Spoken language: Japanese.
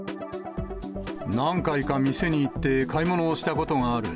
何回か店に行って買い物をしたことがある。